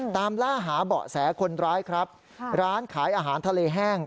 ตามล่าหาเบาะแสคนร้ายครับร้านขายอาหารทะเลแห้ง